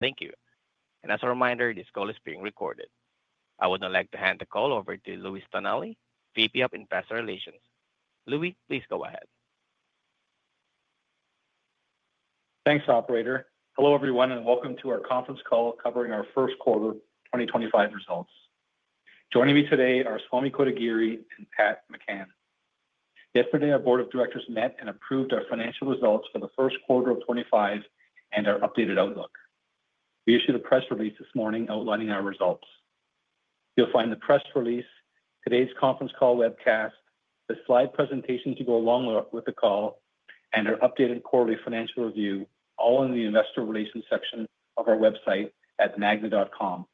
Thank you. As a reminder, this call is being recorded. I would now like to hand the call over to Louis Tonelli, VP of Investor Relations. Louis, please go ahead. Thanks, Operator. Hello, everyone, and welcome to our conference call covering our first quarter 2025 results. Joining me today are Swamy Kotagiri and Pat McCann. Yesterday, our Board of Directors met and approved our financial results for the first quarter of 2025 and our updated outlook. We issued a press release this morning outlining our results. You'll find the press release, today's conference call webcast, the slide presentations to go along with the call, and our updated quarterly financial review all in the Investor Relations section of our website at magna.com.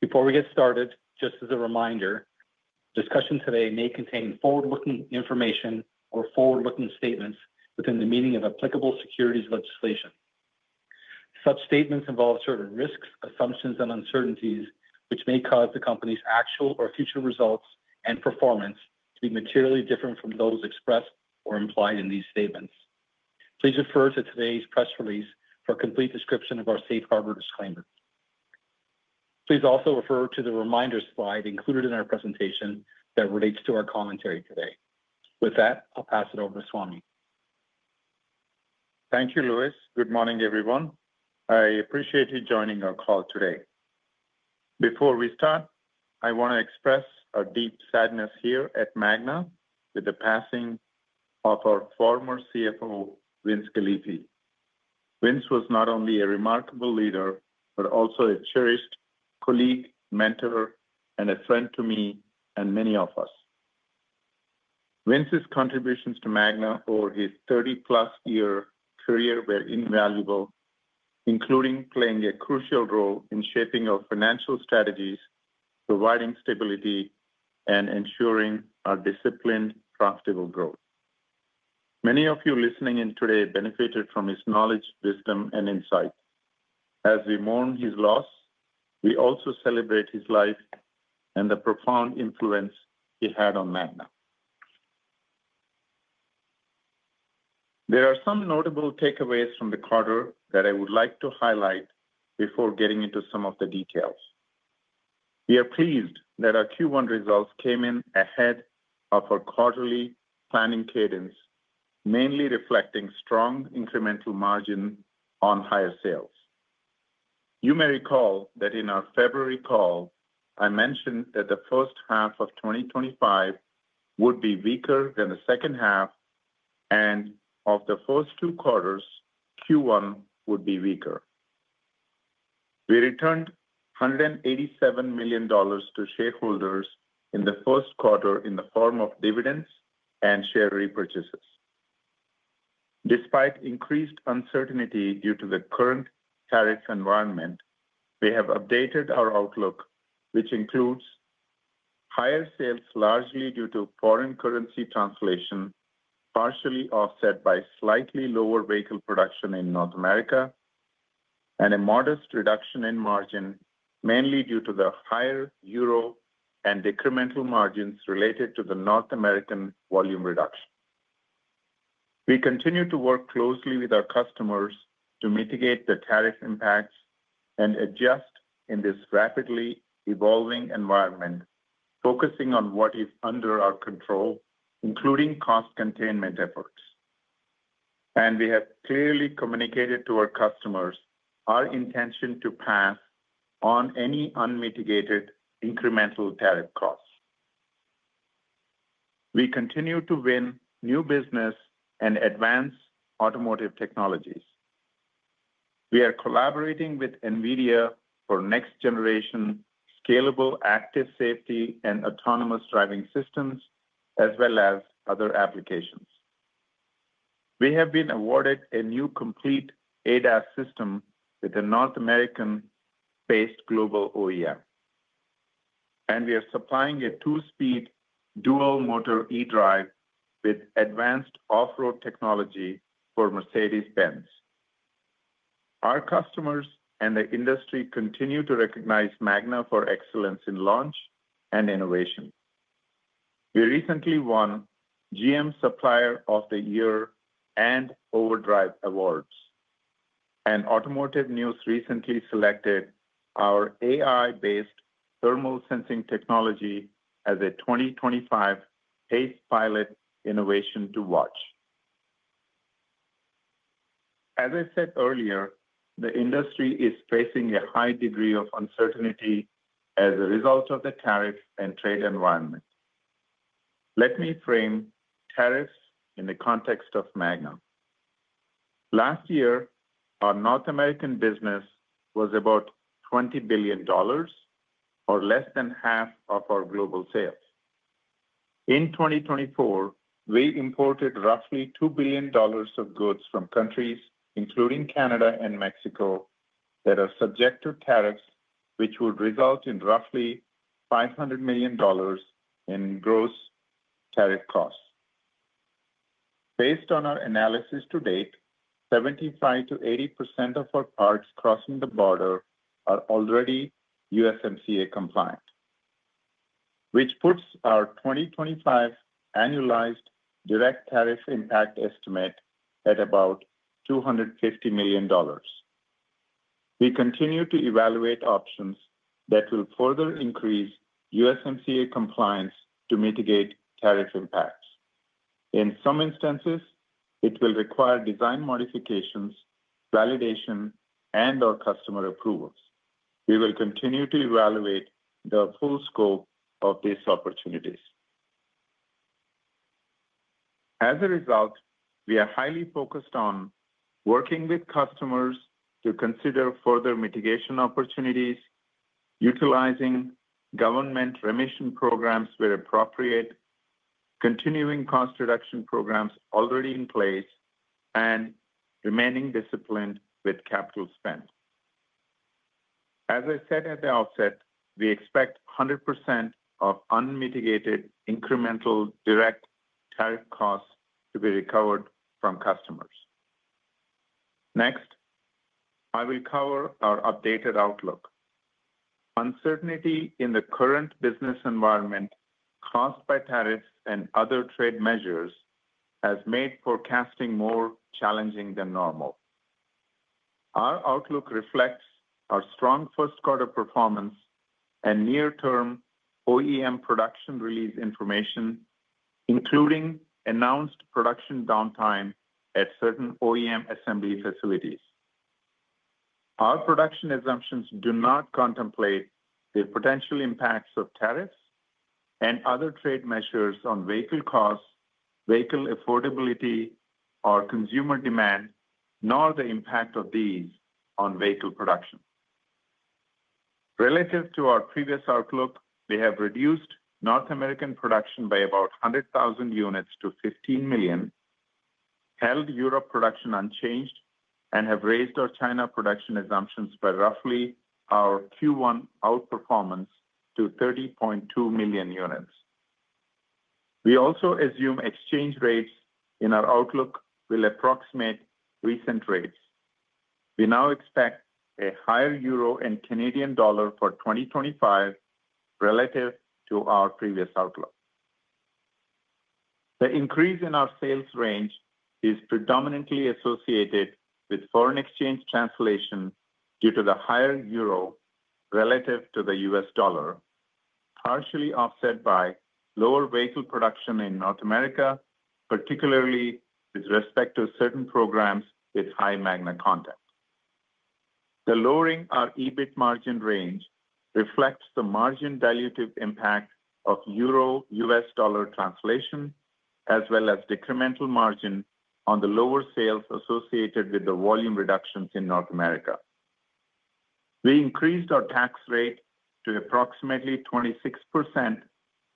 Before we get started, just as a reminder, discussion today may contain forward-looking information or forward-looking statements within the meaning of applicable securities legislation. Such statements involve certain risks, assumptions, and uncertainties which may cause the company's actual or future results and performance to be materially different from those expressed or implied in these statements. Please refer to today's press release for a complete description of our safe harbor disclaimer. Please also refer to the reminder slide included in our presentation that relates to our commentary today. With that, I'll pass it over to Swamy. Thank you, Louis. Good morning, everyone. I appreciate you joining our call today. Before we start, I want to express our deep sadness here at Magna with the passing of our former CFO, Vince Galifi. Vince was not only a remarkable leader but also a cherished colleague, mentor, and a friend to me and many of us. Vince's contributions to Magna over his 30-plus-year career were invaluable, including playing a crucial role in shaping our financial strategies, providing stability, and ensuring our disciplined, profitable growth. Many of you listening in today benefited from his knowledge, wisdom, and insight. As we mourn his loss, we also celebrate his life and the profound influence he had on Magna. There are some notable takeaways from the quarter that I would like to highlight before getting into some of the details. We are pleased that our Q1 results came in ahead of our quarterly planning cadence, mainly reflecting strong incremental margin on higher sales. You may recall that in our February call, I mentioned that the first half of 2025 would be weaker than the second half, and of the first two quarters, Q1 would be weaker. We returned $187 million to shareholders in the first quarter in the form of dividends and share repurchases. Despite increased uncertainty due to the current tariff environment, we have updated our outlook, which includes higher sales largely due to foreign currency translation, partially offset by slightly lower vehicle production in North America, and a modest reduction in margin, mainly due to the higher euro and decremental margins related to the North American volume reduction. We continue to work closely with our customers to mitigate the tariff impacts and adjust in this rapidly evolving environment, focusing on what is under our control, including cost containment efforts. We have clearly communicated to our customers our intention to pass on any unmitigated incremental tariff costs. We continue to win new business and advance automotive technologies. We are collaborating with NVIDIA for next-generation scalable active safety and autonomous driving systems, as well as other applications. We have been awarded a new complete ADAS system with a North American-based global OEM, and we are supplying a two-speed dual-motor eDrive with advanced off-road technology for Mercedes-Benz. Our customers and the industry continue to recognize Magna for excellence in launch and innovation. We recently won GM Supplier of the Year and Overdrive Awards, and Automotive News recently selected our AI-based thermal sensing technology as a 2025 PACEpilot innovation to watch. As I said earlier, the industry is facing a high degree of uncertainty as a result of the tariff and trade environment. Let me frame tariffs in the context of Magna. Last year, our North American business was about $20 billion, or less than half of our global sales. In 2024, we imported roughly $2 billion of goods from countries including Canada and Mexico that are subject to tariffs, which would result in roughly $500 million in gross tariff costs. Based on our analysis to date, 75% to 80% of our parts crossing the border are already USMCA compliant, which puts our 2025 annualized direct tariff impact estimate at about $250 million. We continue to evaluate options that will further increase USMCA compliance to mitigate tariff impacts. In some instances, it will require design modifications, validation, and/or customer approvals. We will continue to evaluate the full scope of these opportunities. As a result, we are highly focused on working with customers to consider further mitigation opportunities, utilizing government remission programs where appropriate, continuing cost reduction programs already in place, and remaining disciplined with capital spend. As I said at the outset, we expect 100% of unmitigated incremental direct tariff costs to be recovered from customers. Next, I will cover our updated outlook. Uncertainty in the current business environment caused by tariffs and other trade measures has made forecasting more challenging than normal. Our outlook reflects our strong first-quarter performance and near-term OEM production release information, including announced production downtime at certain OEM assembly facilities. Our production assumptions do not contemplate the potential impacts of tariffs and other trade measures on vehicle costs, vehicle affordability, or consumer demand, nor the impact of these on vehicle production. Relative to our previous outlook, we have reduced North American production by about 100,000 units to 15 million, held Europe production unchanged, and have raised our China production assumptions by roughly our Q1 outperformance to 30.2 million units. We also assume exchange rates in our outlook will approximate recent rates. We now expect a higher euro and Canadian dollar for 2025 relative to our previous outlook. The increase in our sales range is predominantly associated with foreign exchange translation due to the higher euro relative to the US dollar, partially offset by lower vehicle production in North America, particularly with respect to certain programs with high Magna content. The lowering of EBIT margin range reflects the margin dilutive impact of euro/US dollar translation, as well as decremental margin on the lower sales associated with the volume reductions in North America. We increased our tax rate to approximately 26%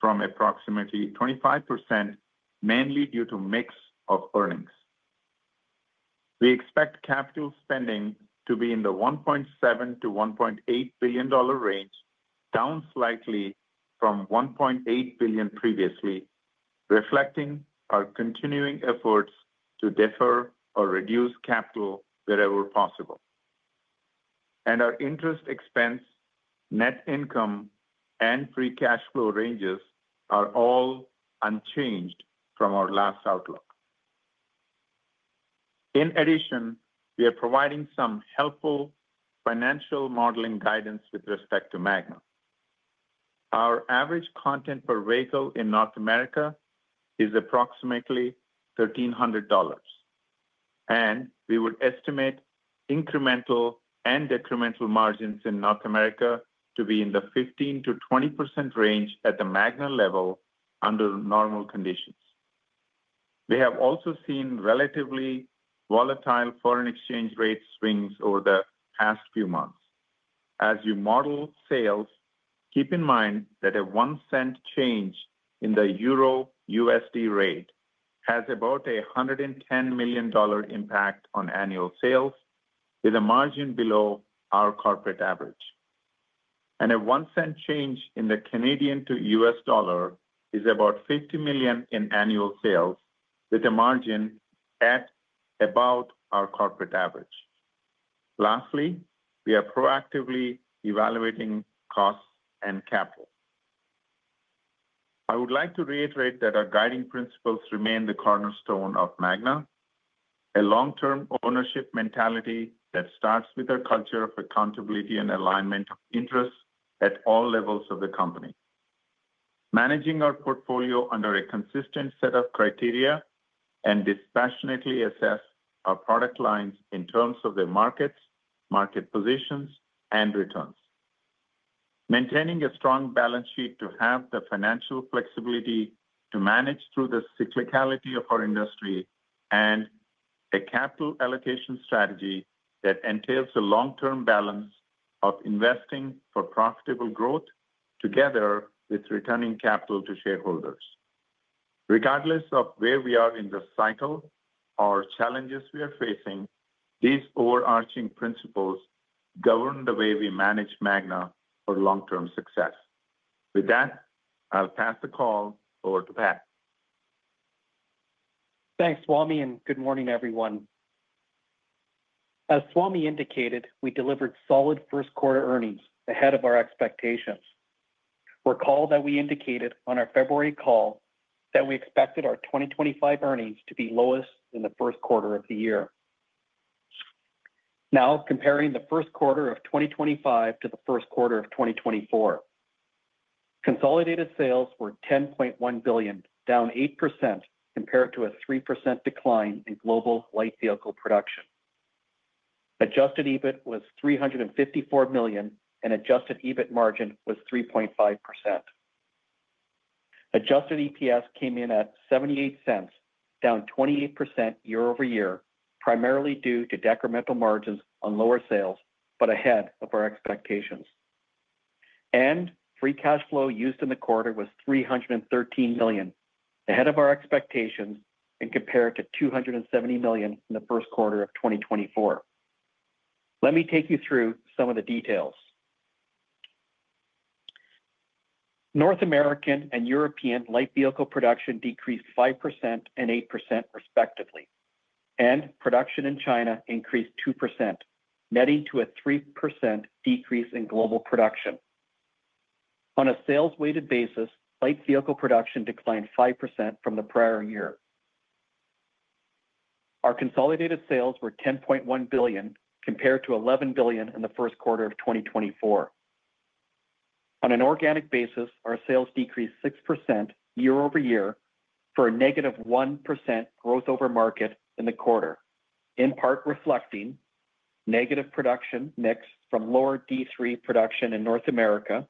from approximately 25%, mainly due to mix of earnings. We expect capital spending to be in the $1.7 billion-$1.8 billion range, down slightly from $1.8 billion previously, reflecting our continuing efforts to defer or reduce capital wherever possible. Our interest expense, net income, and free cash flow ranges are all unchanged from our last outlook. In addition, we are providing some helpful financial modeling guidance with respect to Magna. Our average content per vehicle in North America is approximately $1,300, and we would estimate incremental and decremental margins in North America to be in the 15%-20% range at the Magna level under normal conditions. We have also seen relatively volatile foreign exchange rate swings over the past few months. As you model sales, keep in mind that a one-cent change in the euro/USD rate has about a $110 million impact on annual sales, with a margin below our corporate average. A one-cent change in the Canadian to US dollar is about $50 million in annual sales, with a margin at about our corporate average. Lastly, we are proactively evaluating costs and capital. I would like to reiterate that our guiding principles remain the cornerstone of Magna: a long-term ownership mentality that starts with our culture of accountability and alignment of interests at all levels of the company, managing our portfolio under a consistent set of criteria, and dispassionately assess our product lines in terms of their markets, market positions, and returns, maintaining a strong balance sheet to have the financial flexibility to manage through the cyclicality of our industry, and a capital allocation strategy that entails a long-term balance of investing for profitable growth together with returning capital to shareholders. Regardless of where we are in the cycle or challenges we are facing, these overarching principles govern the way we manage Magna for long-term success. With that, I'll pass the call over to Pat. Thanks, Swamy, and good morning, everyone. As Swamy indicated, we delivered solid first-quarter earnings ahead of our expectations. Recall that we indicated on our February call that we expected our 2025 earnings to be lowest in the first quarter of the year. Now, comparing the first quarter of 2025 to the first quarter of 2024, consolidated sales were $10.1 billion, down 8% compared to a 3% decline in global light vehicle production. Adjusted EBIT was $354 million, and adjusted EBIT margin was 3.5%. Adjusted EPS came in at $0.78, down 28% year over year, primarily due to decremental margins on lower sales but ahead of our expectations. Free cash flow used in the quarter was $313 million, ahead of our expectations and compared to $270 million in the first quarter of 2024. Let me take you through some of the details. North American and European light vehicle production decreased 5% and 8%, respectively, and production in China increased 2%, netting to a 3% decrease in global production. On a sales-weighted basis, light vehicle production declined 5% from the prior year. Our consolidated sales were $10.1 billion, compared to $11 billion in the first quarter of 2024. On an organic basis, our sales decreased 6% year over year for a negative 1% growth over market in the quarter, in part reflecting negative production mix from lower D3 production in North America,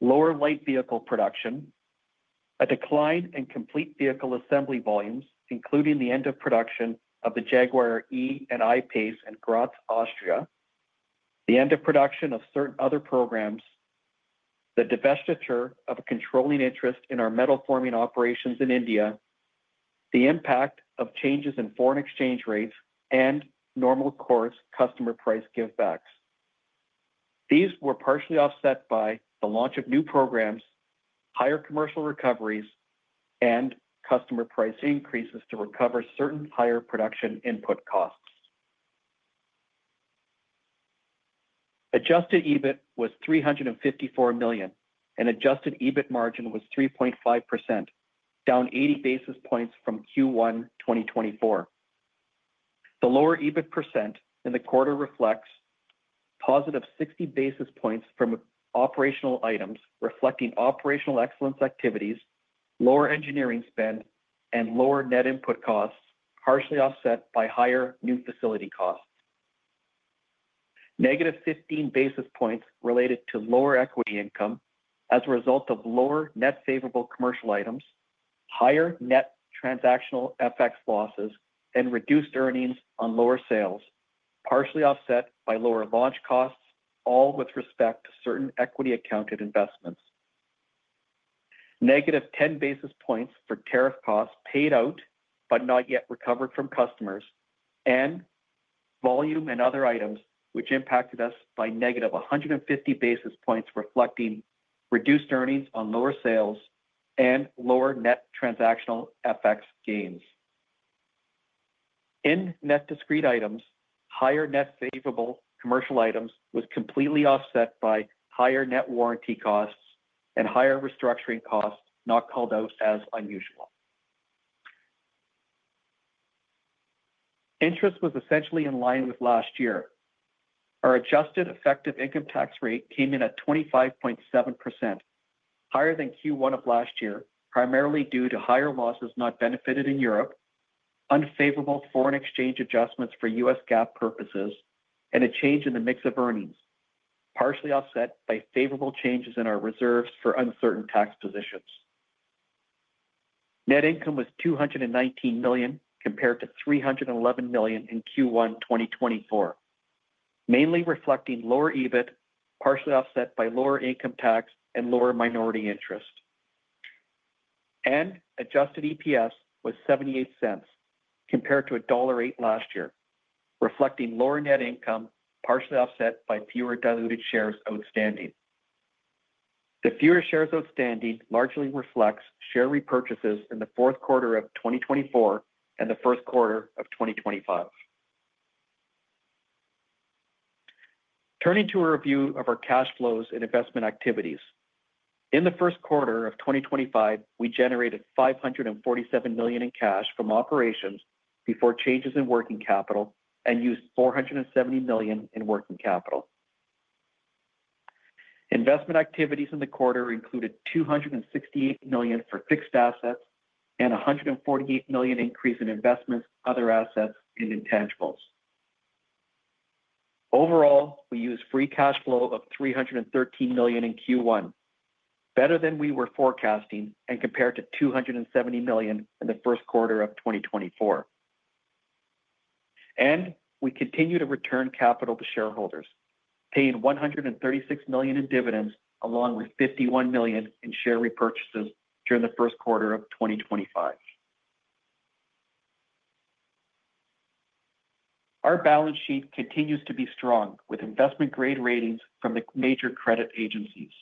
lower light vehicle production, a decline in complete vehicle assembly volumes, including the end of production of the Jaguar E and I-PACE in Graz, Austria, the end of production of certain other programs, the divestiture of a controlling interest in our metal-forming operations in India, the impact of changes in foreign exchange rates, and normal course customer price give-backs. These were partially offset by the launch of new programs, higher commercial recoveries, and customer price increases to recover certain higher production input costs. Adjusted EBIT was $354 million, and adjusted EBIT margin was 3.5%, down 80 basis points from Q1 2024. The lower EBIT % in the quarter reflects positive 60 basis points from operational items, reflecting operational excellence activities, lower engineering spend, and lower net input costs, partially offset by higher new facility costs. Negative 15 basis points related to lower equity income as a result of lower net favorable commercial items, higher net transactional FX losses, and reduced earnings on lower sales, partially offset by lower launch costs, all with respect to certain equity-accounted investments. Negative 10 basis points for tariff costs paid out but not yet recovered from customers. Volume and other items, which impacted us by negative 150 basis points, reflecting reduced earnings on lower sales and lower net transactional FX gains. In net discrete items, higher net favorable commercial items was completely offset by higher net warranty costs and higher restructuring costs, not called out as unusual. Interest was essentially in line with last year. Our adjusted effective income tax rate came in at 25.7%, higher than Q1 of last year, primarily due to higher losses not benefited in Europe, unfavorable foreign exchange adjustments for U.S. GAAP purposes, and a change in the mix of earnings, partially offset by favorable changes in our reserves for uncertain tax positions. Net income was $219 million compared to $311 million in Q1 2024, mainly reflecting lower EBIT, partially offset by lower income tax and lower minority interest. Adjusted EPS was $0.78 compared to $1.08 last year, reflecting lower net income, partially offset by fewer diluted shares outstanding. The fewer shares outstanding largely reflects share repurchases in the fourth quarter of 2024 and the first quarter of 2025. Turning to a review of our cash flows and investment activities. In the first quarter of 2025, we generated $547 million in cash from operations before changes in working capital and used $470 million in working capital. Investment activities in the quarter included $268 million for fixed assets and a $148 million increase in investments, other assets, and intangibles. Overall, we used free cash flow of $313 million in Q1, better than we were forecasting and compared to $270 million in the first quarter of 2024. We continue to return capital to shareholders, paying $136 million in dividends along with $51 million in share repurchases during the first quarter of 2025. Our balance sheet continues to be strong, with investment-grade ratings from the major credit agencies.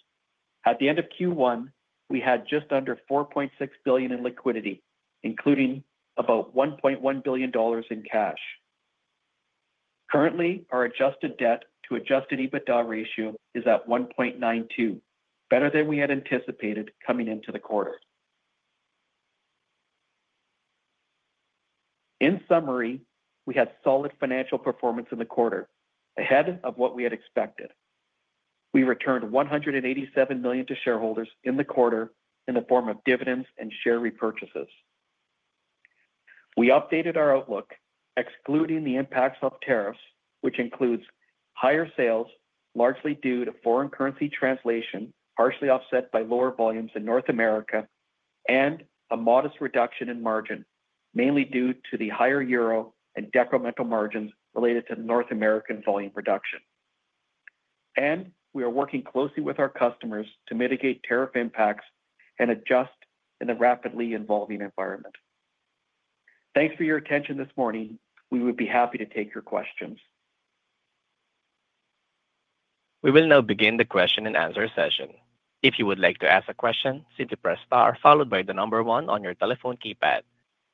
At the end of Q1, we had just under $4.6 billion in liquidity, including about $1.1 billion in cash. Currently, our adjusted debt to adjusted EBITDA ratio is at 1.92, better than we had anticipated coming into the quarter. In summary, we had solid financial performance in the quarter, ahead of what we had expected. We returned $187 million to shareholders in the quarter in the form of dividends and share repurchases. We updated our outlook, excluding the impacts of tariffs, which includes higher sales, largely due to foreign currency translation, partially offset by lower volumes in North America, and a modest reduction in margin, mainly due to the higher euro and decremental margins related to North American volume production. We are working closely with our customers to mitigate tariff impacts and adjust in the rapidly evolving environment. Thanks for your attention this morning. We would be happy to take your questions. We will now begin the question-and-answer session. If you would like to ask a question, simply press star followed by the number 1 on your telephone keypad.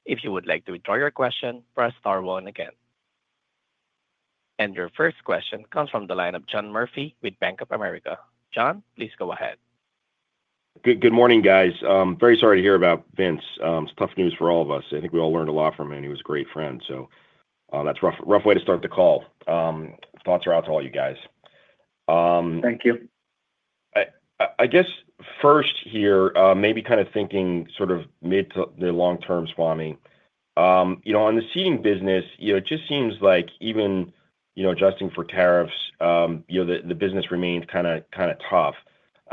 If you would like to withdraw your question, press star 1 again. Your first question comes from the line of John Murphy with Bank of America. John, please go ahead. Good morning, guys. Very sorry to hear about Vince. It's tough news for all of us. I think we all learned a lot from him. He was a great friend. That's a rough way to start the call. Thoughts are out to all you guys. Thank you. I guess first here, maybe kind of thinking sort of mid to the long term, Swamy. On the seating business, it just seems like even adjusting for tariffs, the business remains kind of tough.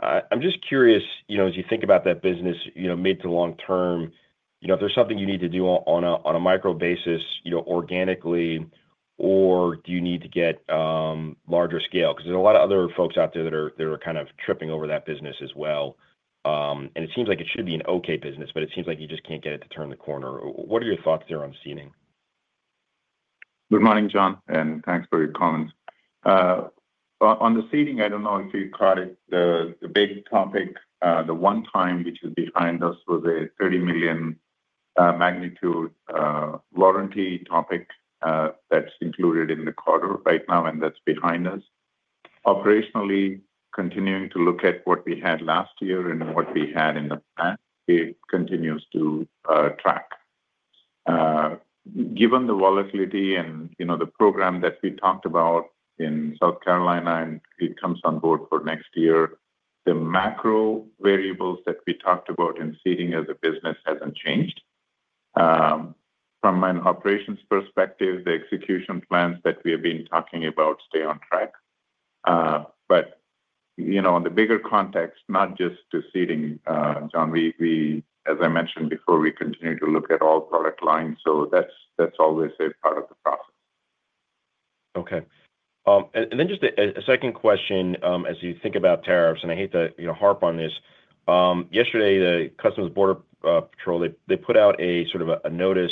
I'm just curious, as you think about that business mid to long term, if there's something you need to do on a micro basis organically, or do you need to get larger scale? Because there's a lot of other folks out there that are kind of tripping over that business as well. It seems like it should be an okay business, but it seems like you just can't get it to turn the corner. What are your thoughts there on seating? Good morning, John, and thanks for your comments. On the seating, I do not know if you caught it. The big topic, the one time which is behind us, was a $30 million magnitude warranty topic that is included in the quarter right now, and that is behind us. Operationally, continuing to look at what we had last year and what we had in the past, it continues to track. Given the volatility and the program that we talked about in South Carolina, and it comes on board for next year, the macro variables that we talked about in seating as a business have not changed. From an operations perspective, the execution plans that we have been talking about stay on track. In the bigger context, not just to seating, John, as I mentioned before, we continue to look at all product lines. That is always a part of the process. Okay. Just a second question as you think about tariffs, and I hate to harp on this. Yesterday, the Customs Border Patrol, they put out a sort of a notice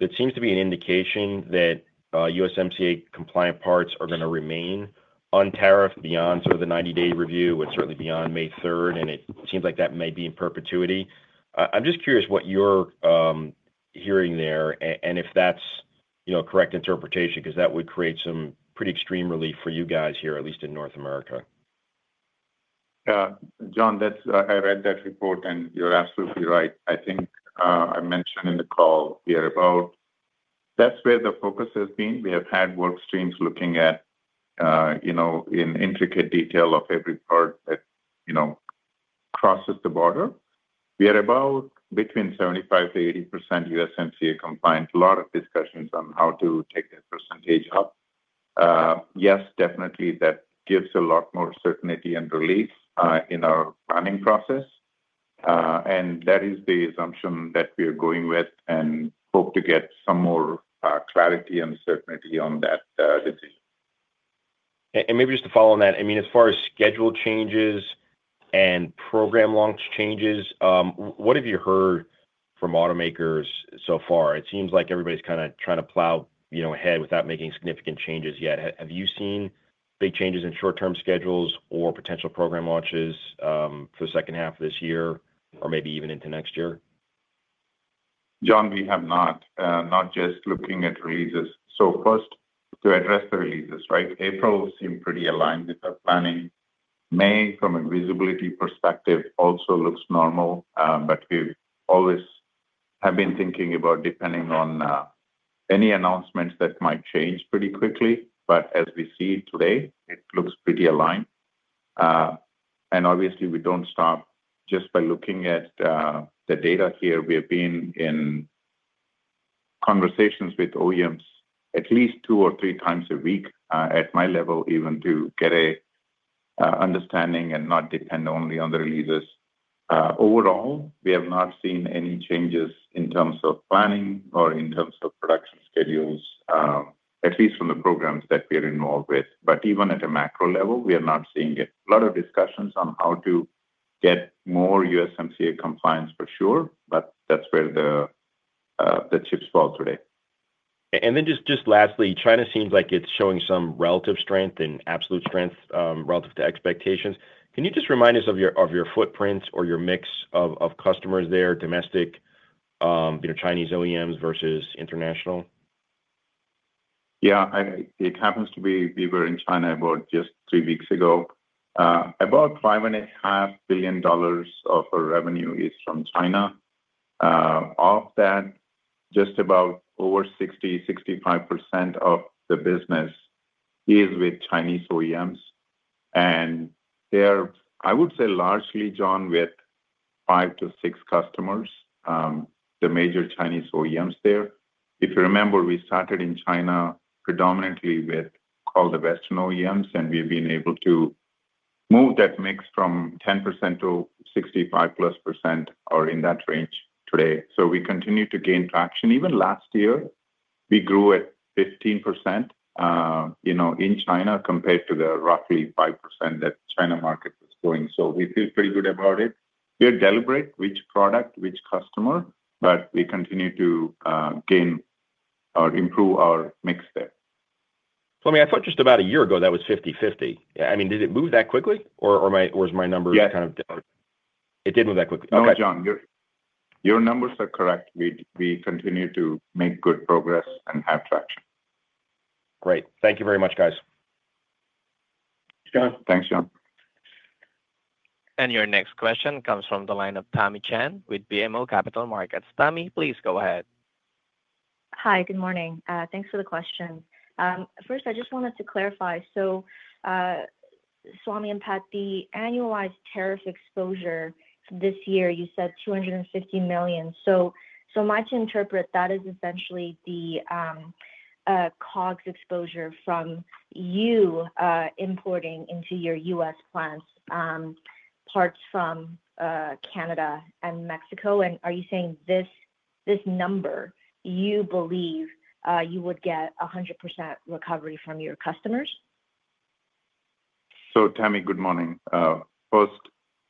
that seems to be an indication that USMCA compliant parts are going to remain untariffed beyond sort of the 90-day review, and certainly beyond May 3rd. It seems like that may be in perpetuity. I'm just curious what you're hearing there and if that's a correct interpretation, because that would create some pretty extreme relief for you guys here, at least in North America. John, I read that report, and you're absolutely right. I think I mentioned in the call, we are about that's where the focus has been. We have had workstreams looking at in intricate detail of every part that crosses the border. We are about between 75%-80% USMCA compliant. A lot of discussions on how to take that percentage up. Yes, definitely, that gives a lot more certainty and relief in our planning process. That is the assumption that we are going with and hope to get some more clarity and certainty on that decision. Maybe just to follow on that, I mean, as far as schedule changes and program launch changes, what have you heard from automakers so far? It seems like everybody's kind of trying to plow ahead without making significant changes yet. Have you seen big changes in short-term schedules or potential program launches for the second half of this year or maybe even into next year? John, we have not, not just looking at releases. First, to address the releases, right? April seemed pretty aligned with our planning. May, from a visibility perspective, also looks normal, but we always have been thinking about depending on any announcements that might change pretty quickly. As we see today, it looks pretty aligned. Obviously, we do not stop just by looking at the data here. We have been in conversations with OEMs at least two or three times a week at my level, even to get an understanding and not depend only on the releases. Overall, we have not seen any changes in terms of planning or in terms of production schedules, at least from the programs that we are involved with. Even at a macro level, we are not seeing it. A lot of discussions on how to get more USMCA compliance for sure, but that's where the chips fall today. Lastly, China seems like it's showing some relative strength and absolute strength relative to expectations. Can you just remind us of your footprint or your mix of customers there, domestic, Chinese OEMs versus international? Yeah. It happens to be we were in China about just three weeks ago. About $5.5 billion of our revenue is from China. Of that, just about over 60-65% of the business is with Chinese OEMs. They are, I would say, largely, John, with five to six customers, the major Chinese OEMs there. If you remember, we started in China predominantly with, called the Western OEMs, and we have been able to move that mix from 10% to 65 plus percent or in that range today. We continue to gain traction. Even last year, we grew at 15% in China compared to the roughly 5% that China market was going. We feel pretty good about it. We are deliberate which product, which customer, but we continue to gain or improve our mix there. Swamy, I thought just about a year ago that was 50/50. I mean, did it move that quickly, or was my number kind of down? Yes. It did move that quickly. Okay. No, John, your numbers are correct. We continue to make good progress and have traction. Great. Thank you very much, guys. John, thanks, John. Your next question comes from the line of Tamy Chen with BMO Capital Markets. Tamy, please go ahead. Hi, good morning. Thanks for the question. First, I just wanted to clarify. Swamy and Pat, the annualized tariff exposure this year, you said $250 million. My interpretation is that is essentially the COGS exposure from you importing into your U.S. plants, parts from Canada and Mexico. Are you saying this number, you believe you would get 100% recovery from your customers? Tamy, good morning. First,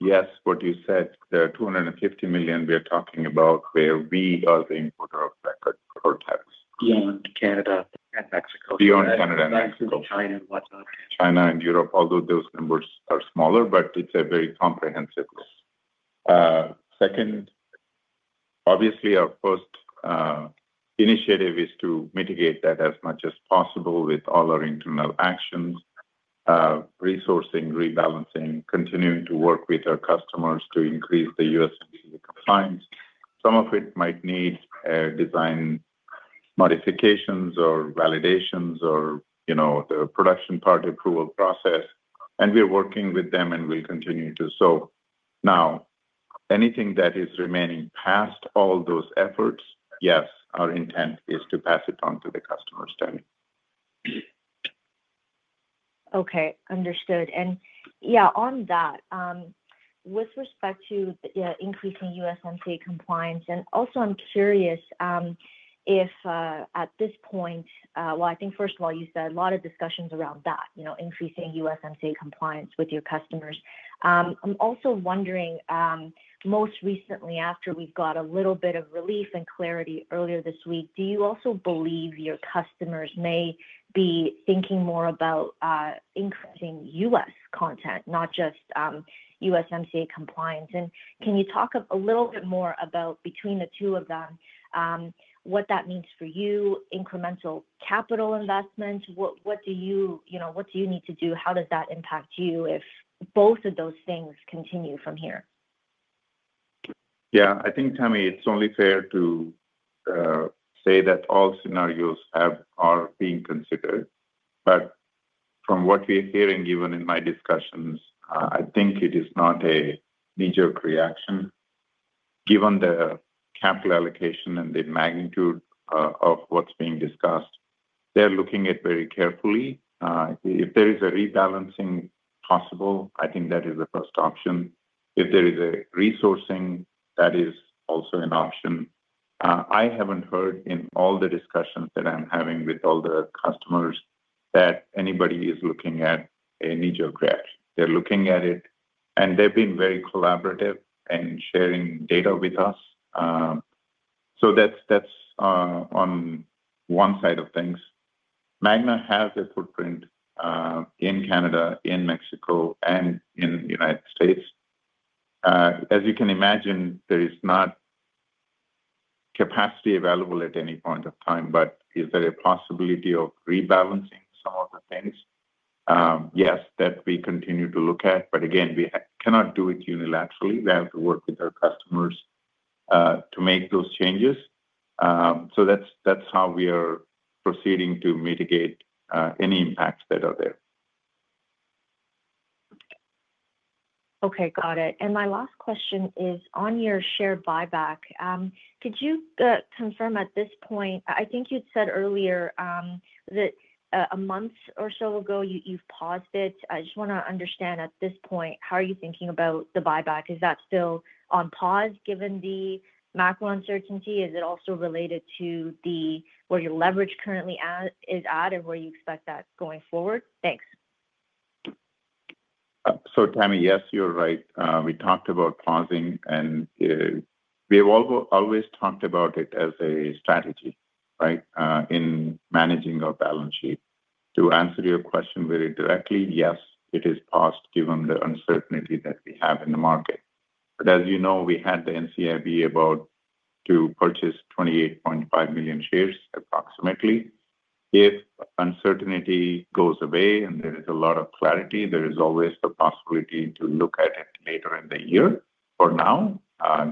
yes, what you said, the $250 million we are talking about, where we are the importer of record products. Beyond Canada and Mexico. Beyond Canada and Mexico. Beyond China and whatnot. China and Europe, although those numbers are smaller, but it's a very comprehensive list. Second, obviously, our first initiative is to mitigate that as much as possible with all our internal actions, resourcing, rebalancing, continuing to work with our customers to increase the USMCA compliance. Some of it might need design modifications or validations or the production part approval process. We are working with them and will continue to. Now, anything that is remaining past all those efforts, yes, our intent is to pass it on to the customers then. Okay. Understood, on that, with respect to increasing USMCA compliance, I think first of all, you said a lot of discussions around that, increasing USMCA compliance with your customers. I'm also wondering, most recently, after we've got a little bit of relief and clarity earlier this week, do you also believe your customers may be thinking more about increasing U.S. content, not just USMCA compliance? Can you talk a little bit more about between the two of them, what that means for you, incremental capital investments? What do you need to do? How does that impact you if both of those things continue from here? Yeah. I think, Tamy, it's only fair to say that all scenarios are being considered. From what we are hearing, even in my discussions, I think it is not a knee-jerk reaction. Given the capital allocation and the magnitude of what's being discussed, they're looking at it very carefully. If there is a rebalancing possible, I think that is the first option. If there is a resourcing, that is also an option. I haven't heard in all the discussions that I'm having with all the customers that anybody is looking at a knee-jerk reaction. They're looking at it, and they've been very collaborative in sharing data with us. That's on one side of things. Magna has a footprint in Canada, in Mexico, and in the United States. As you can imagine, there is not capacity available at any point of time. Is there a possibility of rebalancing some of the things? Yes, that we continue to look at. Again, we cannot do it unilaterally. We have to work with our customers to make those changes. That is how we are proceeding to mitigate any impacts that are there. Okay. Got it. My last question is on your share buyback. Could you confirm at this point, I think you'd said earlier that a month or so ago, you've paused it. I just want to understand at this point, how are you thinking about the buyback? Is that still on pause given the macro uncertainty? Is it also related to where your leverage currently is at and where you expect that going forward? Thanks. Tamy, yes, you're right. We talked about pausing, and we have always talked about it as a strategy, right, in managing our balance sheet. To answer your question very directly, yes, it is paused given the uncertainty that we have in the market. As you know, we had the NCIB about to purchase 28.5 million shares approximately. If uncertainty goes away and there is a lot of clarity, there is always the possibility to look at it later in the year. For now,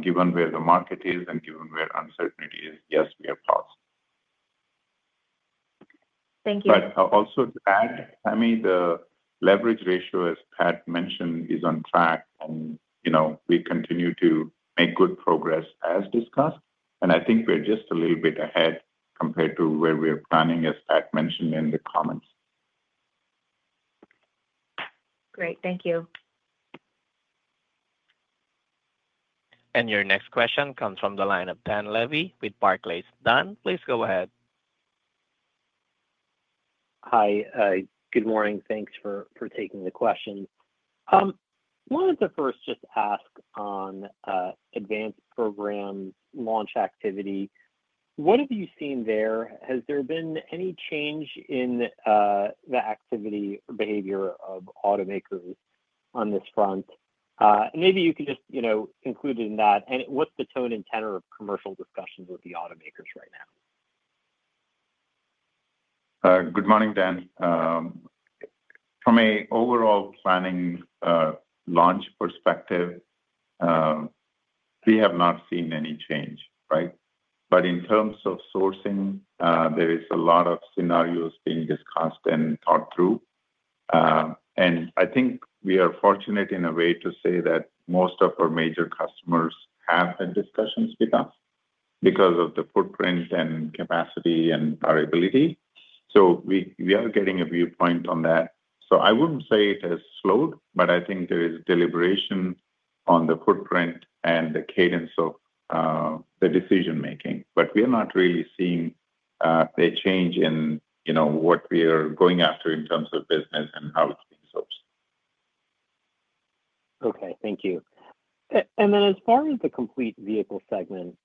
given where the market is and given where uncertainty is, yes, we are paused. Thank you. Also to add, Tamy, the leverage ratio, as Pat mentioned, is on track, and we continue to make good progress as discussed. I think we're just a little bit ahead compared to where we are planning, as Pat mentioned in the comments. Great. Thank you. Your next question comes from the line of Dan Levy with Barclays. Dan, please go ahead. Hi. Good morning. Thanks for taking the question. I wanted to first just ask on advanced program launch activity. What have you seen there? Has there been any change in the activity or behavior of automakers on this front? Maybe you can just include it in that. What's the tone and tenor of commercial discussions with the automakers right now? Good morning, Dan. From an overall planning launch perspective, we have not seen any change, right? In terms of sourcing, there are a lot of scenarios being discussed and thought through. I think we are fortunate in a way to say that most of our major customers have had discussions with us because of the footprint and capacity and variability. We are getting a viewpoint on that. I would not say it has slowed, but I think there is deliberation on the footprint and the cadence of the decision-making. We are not really seeing a change in what we are going after in terms of business and how it results. Okay. Thank you. As far as the complete vehicle segment,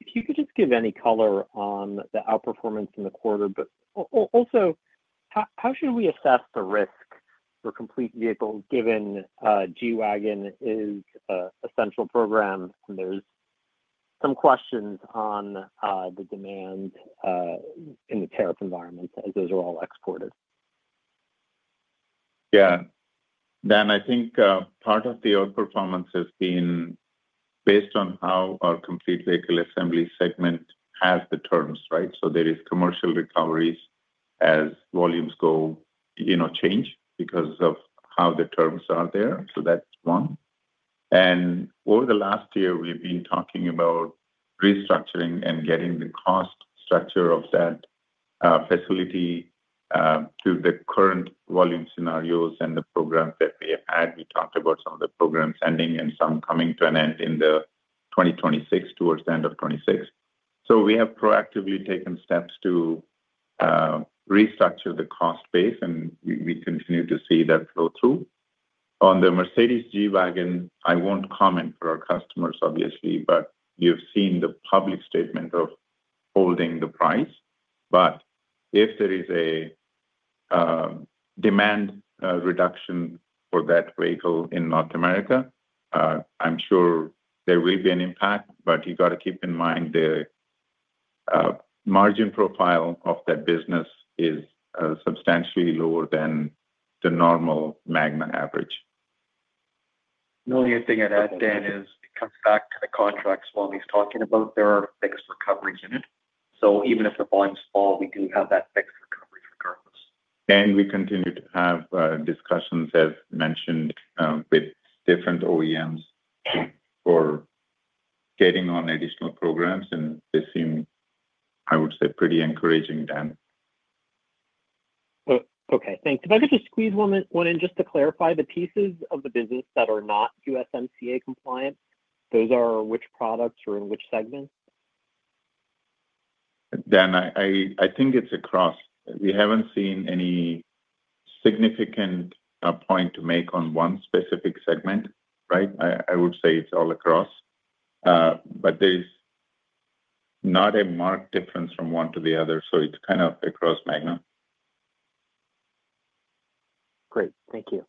if you could just give any color on the outperformance in the quarter. Also, how should we assess the risk for complete vehicles given G-Wagon is a central program? There are some questions on the demand in the tariff environment as those are all exported. Yeah. Dan, I think part of the outperformance has been based on how our complete vehicle assembly segment has the terms, right? There are commercial recoveries as volumes go change because of how the terms are there. That is one. Over the last year, we've been talking about restructuring and getting the cost structure of that facility to the current volume scenarios and the programs that we have had. We talked about some of the programs ending and some coming to an end in 2026, towards the end of 2026. We have proactively taken steps to restructure the cost base, and we continue to see that flow through. On the Mercedes G-Wagon, I won't comment for our customers, obviously, but you've seen the public statement of holding the price. If there is a demand reduction for that vehicle in North America, I'm sure there will be an impact. You got to keep in mind the margin profile of that business is substantially lower than the normal Magna average. The only thing I'd add, Dan, is it comes back to the contracts Swamy's talking about. There are fixed recoveries in it. So even if the volumes fall, we do have that fixed recovery regardless. We continue to have discussions, as mentioned, with different OEMs for getting on additional programs. They seem, I would say, pretty encouraging, Dan. Okay. Thanks. If I could just squeeze one in just to clarify, the pieces of the business that are not USMCA compliant, those are which products or in which segments? Dan, I think it's across. We haven't seen any significant point to make on one specific segment, right? I would say it's all across. There's not a marked difference from one to the other. It's kind of across Magna. Great. Thank you.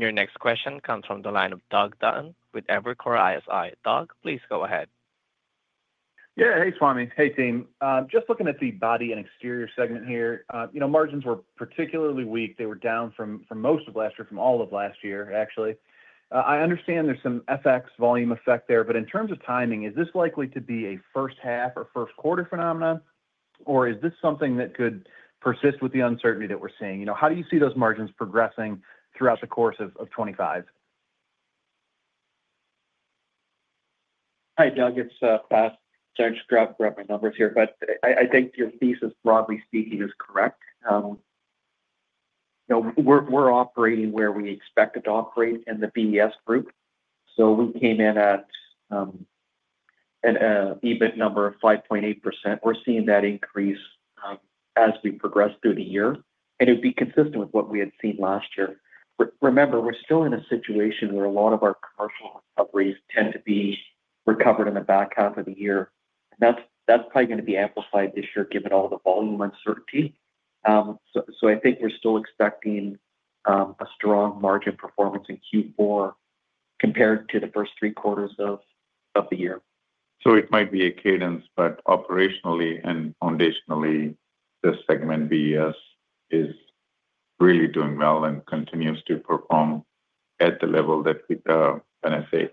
Your next question comes from the line of Doug Dutton with Evercore ISI. Doug, please go ahead. Yeah. Hey, Swamy. Hey, team. Just looking at the body and exterior segment here, margins were particularly weak. They were down from most of last year, from all of last year, actually. I understand there's some FX volume effect there. But in terms of timing, is this likely to be a first half or first quarter phenomenon, or is this something that could persist with the uncertainty that we're seeing? How do you see those margins progressing throughout the course of 2025? Hi, Doug. It's Pat. Sorry to screw up my numbers here, but I think your thesis, broadly speaking, is correct. We're operating where we expect it to operate in the BES group. We came in at an EBIT number of 5.8%. We're seeing that increase as we progress through the year. It would be consistent with what we had seen last year. Remember, we're still in a situation where a lot of our commercial recoveries tend to be recovered in the back half of the year. That is probably going to be amplified this year given all the volume uncertainty. I think we're still expecting a strong margin performance in Q4 compared to the first three quarters of the year. It might be a cadence, but operationally and foundationally, the segment BES is really doing well and continues to perform at the level that we can say.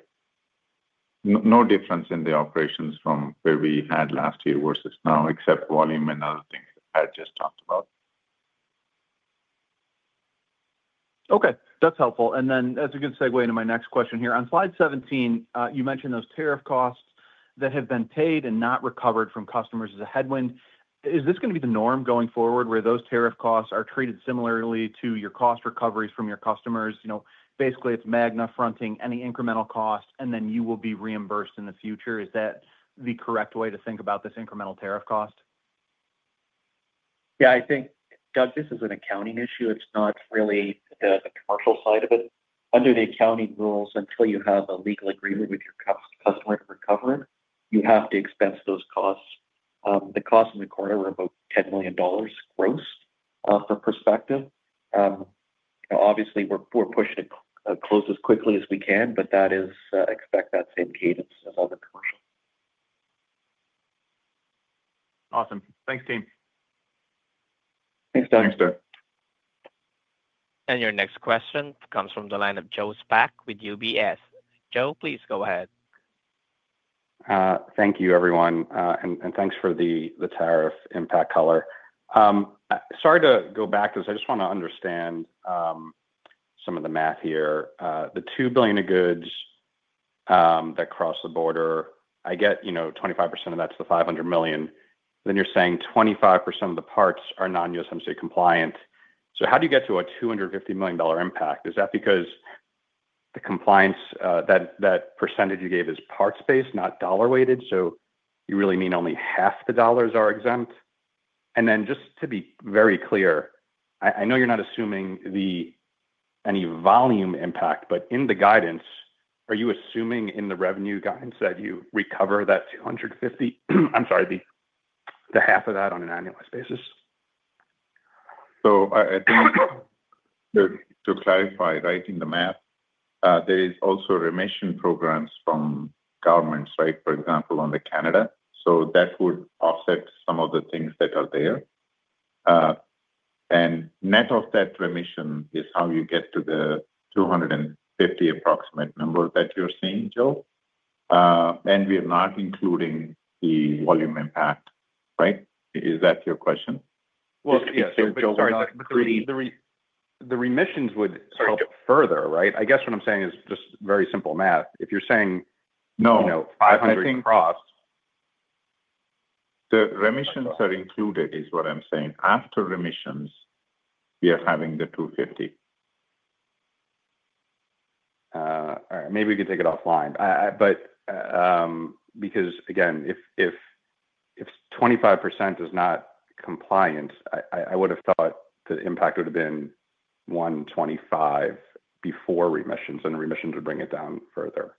No difference in the operations from where we had last year versus now, except volume and other things that I just talked about. Okay. That's helpful. As a good segue into my next question here, on slide 17, you mentioned those tariff costs that have been paid and not recovered from customers as a headwind. Is this going to be the norm going forward where those tariff costs are treated similarly to your cost recoveries from your customers? Basically, it's Magna fronting any incremental cost, and then you will be reimbursed in the future. Is that the correct way to think about this incremental tariff cost? Yeah. I think, Doug, this is an accounting issue. It's not really the commercial side of it. Under the accounting rules, until you have a legal agreement with your customer to recover it, you have to expense those costs. The cost in the quarter were about $10 million gross for perspective. Obviously, we're pushing it close as quickly as we can, but that is expect that same cadence as all the commercials. Awesome. Thanks, team. Thanks, Doug. Your next question comes from the line of Joe Spak with UBS. Joe, please go ahead. Thank you, everyone. Thanks for the tariff impact color. Sorry to go back to this. I just want to understand some of the math here. The $2 billion of goods that cross the border, I get 25% of that's the $500 million. You are saying 25% of the parts are non-USMCA compliant. How do you get to a $250 million impact? Is that because the compliance, that percentage you gave is parts-based, not dollar-weighted? You really mean only half the dollars are exempt? Just to be very clear, I know you are not assuming any volume impact, but in the guidance, are you assuming in the revenue guidance that you recover that $250 million? I'm sorry, the half of that on an annualized basis? To clarify, right, in the math, there are also remission programs from governments, right, for example, on the Canada. That would offset some of the things that are there. Net of that remission is how you get to the $250 million approximate number that you're seeing, Joe. We are not including the volume impact, right? Is that your question? Well ,yes, sorry. The remissions would help further, right? I guess what I'm saying is just very simple math. If you're saying. No. $500 million across. The remissions are included, is what I'm saying. After remissions, we are having the $250 million. All right. Maybe we could take it offline. Because, again, if 25% is not compliant, I would have thought the impact would have been $125 million before remissions, and remissions would bring it down further.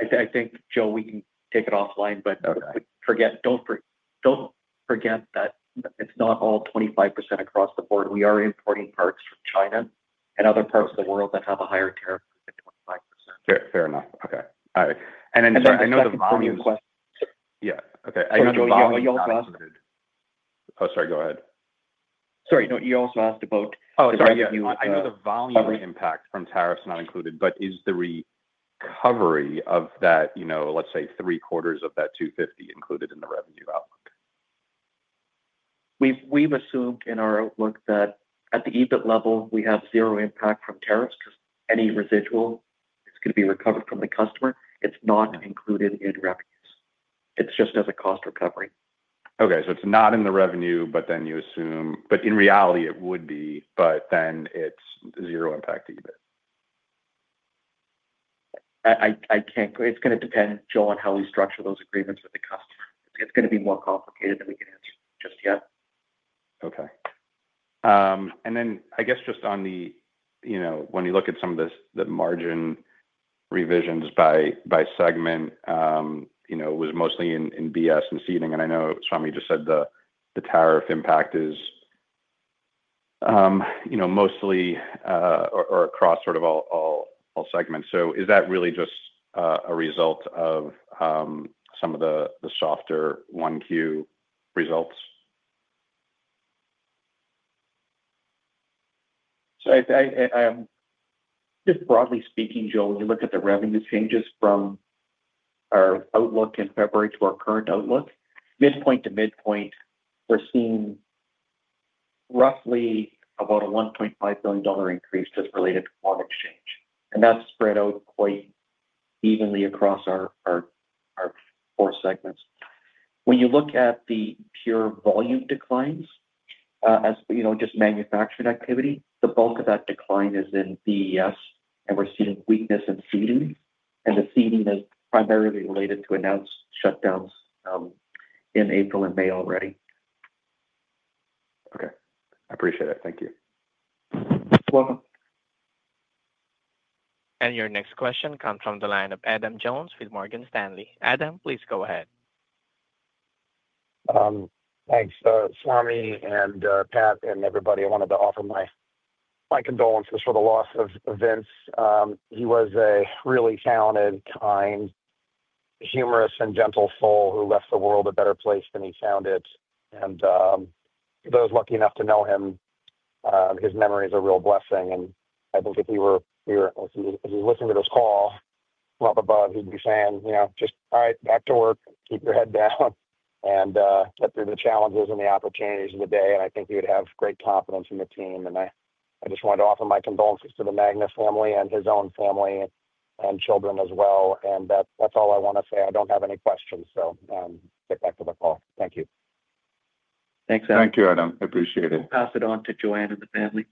I think, Joe, we can take it offline, but don't forget that it's not all 25% across the board. We are importing parts from China and other parts of the world that have a higher tariff than 25% Fair enough. Okay. All right. I know the volume. Joe, you also asked about. Oh, sorry. I know the volume impact from tariffs not included, but is the recovery of that, let's say, three quarters of that $250 included in the revenue outlook? We've assumed in our outlook that at the EBIT level, we have zero impact from tariffs because any residual is going to be recovered from the customer. It's not included in revenues. It's just as a cost recovery. Okay. It is not in the revenue, but then you assume, but in reality, it would be, but then it is zero impact EBIT. It's going to depend, Joe, on how we structure those agreements with the customer. It's going to be more complicated than we can answer just yet. Okay. I guess just on the when you look at some of the margin revisions by segment, it was mostly in BS and seating. I know Swamy just said the tariff impact is mostly or across sort of all segments. Is that really just a result of some of the softer Q1 results? Just broadly speaking, Joe, when you look at the revenue changes from our outlook in February to our current outlook, midpoint to midpoint, we're seeing roughly about a $1.5 billion increase just related to quant exchange. That's spread out quite evenly across our four segments. When you look at the pure volume declines as just manufacturing activity, the bulk of that decline is in BES, and we're seeing weakness in seating. The seating is primarily related to announced shutdowns in April and May already. Okay. I appreciate it. Thank you. You're welcome. Your next question comes from the line of Adam Jonas with Morgan Stanley. Adam, please go ahead. Thanks. Swamy and Pat and everybody, I wanted to offer my condolences for the loss of Vince. He was a really talented, kind, humorous, and gentle soul who left the world a better place than he found it. For those lucky enough to know him, his memory is a real blessing. I think if he were listening to this call from up above, he'd be saying, "Just all right, back to work. Keep your head down and get through the challenges and the opportunities of the day." I think he would have great confidence in the team. I just wanted to offer my condolences to the Magna family and his own family and children as well. That's all I want to say. I don't have any questions. Get back to the call. Thank you. Thanks, Adam. Thank you, Adam. I appreciate it. I'll pass it on to Joanne and the family.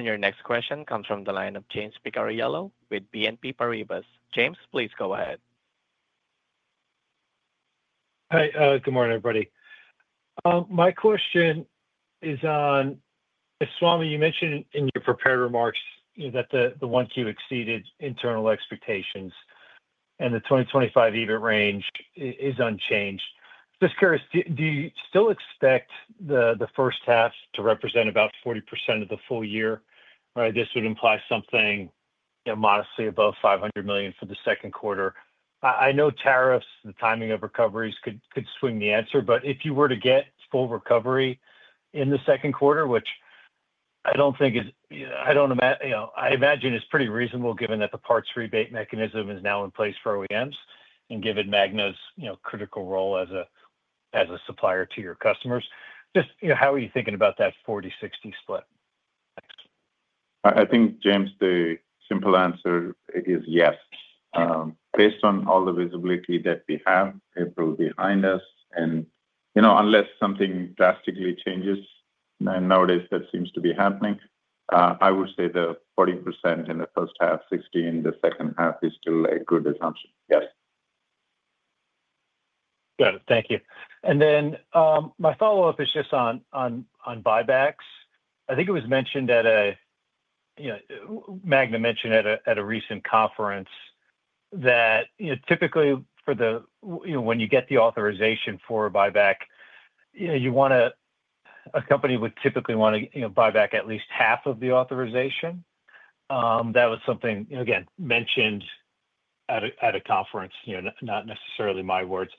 Your next question comes from the line of James Picariello with BNP Paribas. James, please go ahead. Hi. Good morning, everybody. My question is on, Swamy, you mentioned in your prepared remarks that the one-queue exceeded internal expectations, and the 2025 EBIT range is unchanged. Just curious, do you still expect the first half to represent about 40% of the full year? This would imply something modestly above $500 million for the second quarter. I know tariffs, the timing of recoveries could swing the answer. If you were to get full recovery in the second quarter, which I do not think is, I imagine it is pretty reasonable given that the parts rebate mechanism is now in place for OEMs and given Magna's critical role as a supplier to your customers. Just how are you thinking about that 40/60 split? I think, James, the simple answer is yes. Based on all the visibility that we have, April behind us, and unless something drastically changes, nowadays that seems to be happening, I would say the 40% in the first half, 60% in the second half is still a good assumption. Yes. Got it. Thank you. My follow-up is just on buybacks. I think it was mentioned at a Magna mentioned at a recent conference that typically for the when you get the authorization for a buyback, a company would typically want to buy back at least half of the authorization. That was something, again, mentioned at a conference, not necessarily my words.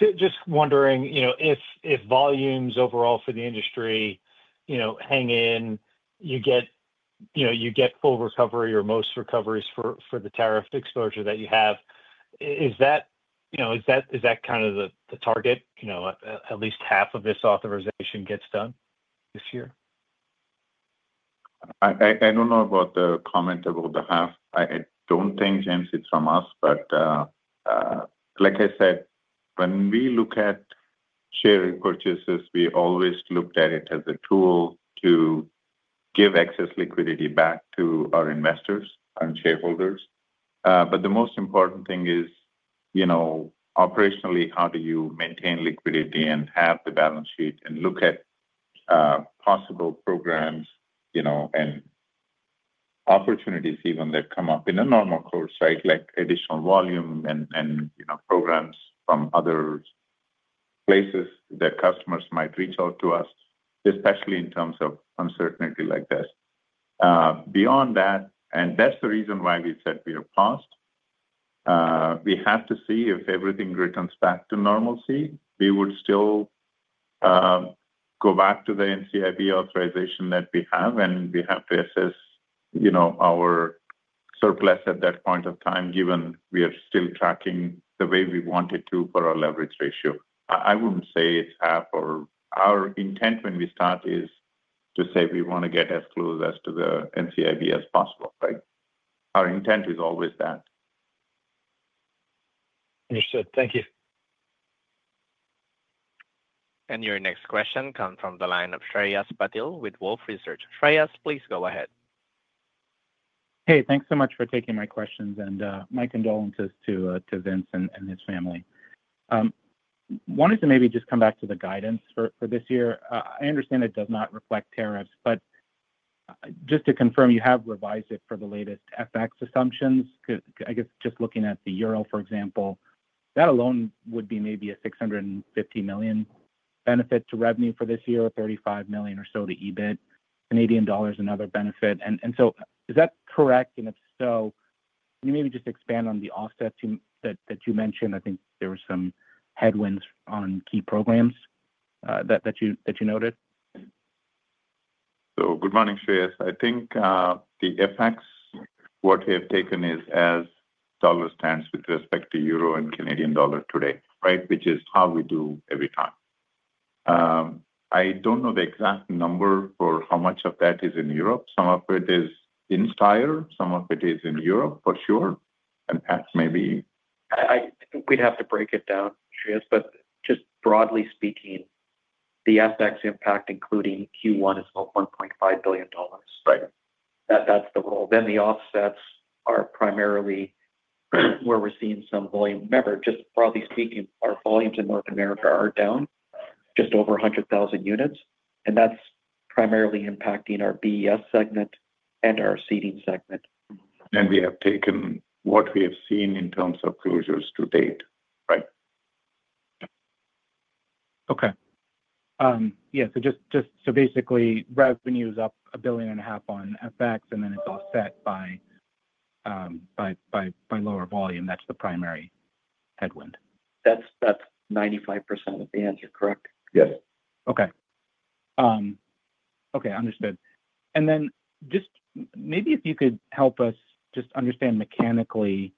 Just wondering if volumes overall for the industry hang in, you get full recovery or most recoveries for the tariff exposure that you have. Is that kind of the target, at least half of this authorization gets done this year? I don't know about the comment about the half. I don't think, James, it's from us. Like I said, when we look at share repurchases, we always looked at it as a tool to give excess liquidity back to our investors and shareholders. The most important thing is, operationally, how do you maintain liquidity and have the balance sheet and look at possible programs and opportunities even that come up in a normal course, right, like additional volume and programs from other places that customers might reach out to us, especially in terms of uncertainty like this. Beyond that, and that's the reason why we said we are paused. We have to see if everything returns back to normalcy. We would still go back to the NCIB authorization that we have, and we have to assess our surplus at that point of time, given we are still tracking the way we wanted to for our leverage ratio. I would not say it is half or our intent when we start is to say we want to get as close as to the NCIB as possible, right? Our intent is always that. Understood. Thank you. Your next question comes from the line of Shreyas Patil with Wolfe Research. Shreyas, please go ahead. Hey, thanks so much for taking my questions. My condolences to Vince and his family. Wanted to maybe just come back to the guidance for this year. I understand it does not reflect tariffs, but just to confirm, you have revised it for the latest FX assumptions. I guess just looking at the euro, for example, that alone would be maybe $650 million benefit to revenue for this year, or $35 million or so to EBIT, Canadian dollars, another benefit. Is that correct? If so, can you maybe just expand on the offset that you mentioned? I think there were some headwinds on key programs that you noted. Good morning, Shreyas. I think the FX, what we have taken is as dollar stands with respect to euro and Canadian dollar today, right, which is how we do every time. I do not know the exact number for how much of that is in Europe. Some of it is in style. Some of it is in Europe, for sure. And perhaps maybe. I think we'd have to break it down, Shreyas. Just broadly speaking, the FX impact, including Q1, is about $1.5 billion. That's the role. The offsets are primarily where we're seeing some volume. Remember, just broadly speaking, our volumes in North America are down just over 100,000 units. That's primarily impacting our BES segment and our seating segment. We have taken what we have seen in terms of closures to date, right? Okay. Yeah. So basically, revenue is up $1.5 billion on FX, and then it's offset by lower volume. That's the primary headwind. That's 95% of the answer, correct? Yes. Okay. Okay. Understood. Just maybe if you could help us just understand mechanically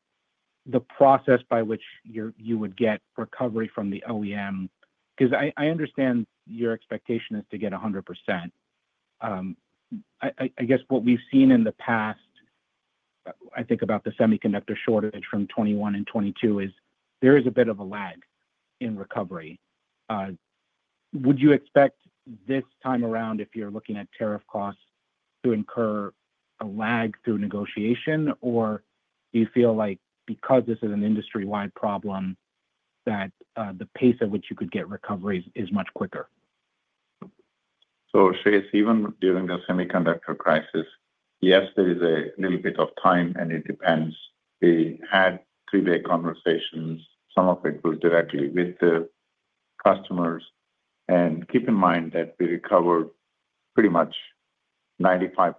the process by which you would get recovery from the OEM, because I understand your expectation is to get 100%. I guess what we've seen in the past, I think about the semiconductor shortage from 2021 and 2022, is there is a bit of a lag in recovery. Would you expect this time around, if you're looking at tariff costs, to incur a lag through negotiation, or do you feel like because this is an industry-wide problem that the pace at which you could get recovery is much quicker? Shreyas, even during the semiconductor crisis, yes, there is a little bit of time, and it depends. We had three-day conversations. Some of it was directly with the customers. Keep in mind that we recovered pretty much 95%+,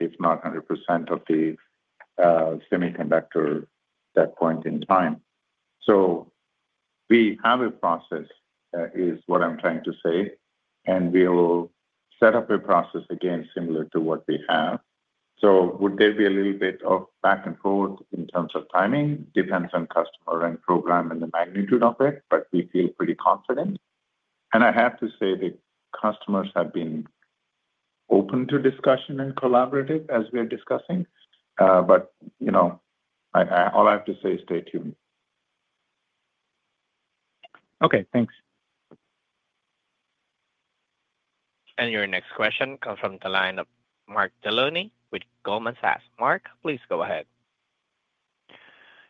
if not 100%, of the semiconductor at that point in time. We have a process, is what I'm trying to say. We will set up a process again similar to what we have. Would there be a little bit of back and forth in terms of timing? Depends on customer and program and the magnitude of it, but we feel pretty confident. I have to say the customers have been open to discussion and collaborative as we are discussing. All I have to say is stay tuned. Okay. Thanks. Your next question comes from the line of Mark Delaney with Goldman Sachs. Mark, please go ahead.